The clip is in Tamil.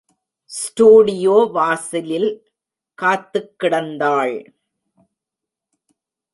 ஸ்டுடியோ வாசிலில் காத்துக் கிடந்தாள்.